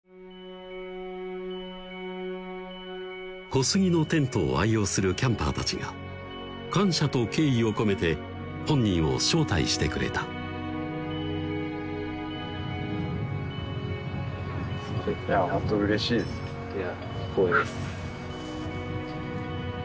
小杉のテントを愛用するキャンパーたちが感謝と敬意を込めて本人を招待してくれたいやホントうれしいですいや光栄です